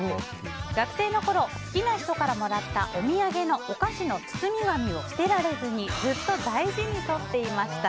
学生のころ好きな人からもらったお土産のお菓子の包み紙を捨てられずにずっと大事にとっていました。